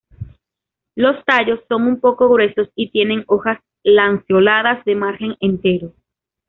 Los tallos son un poco gruesos y tienen hojas lanceoladas de margen entero.